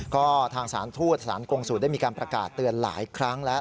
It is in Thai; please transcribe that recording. ก็ทางสารทูตสารกงสูตรได้มีการประกาศเตือนหลายครั้งแล้ว